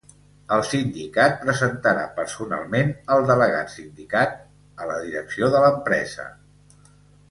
El Sindicat presentarà personalment el delegat sindicat a la direcció de l'empresa.